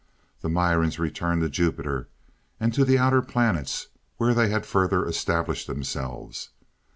The Mirans returned to Jupiter, and to the outer planets where they had further established themselves.